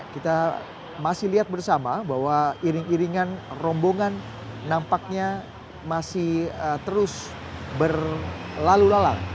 kita masih lihat bersama bahwa iring iringan rombongan nampaknya masih terus berlalu lalang